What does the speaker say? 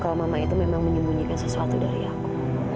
kalau mama itu memang menyembunyikan sesuatu dari aku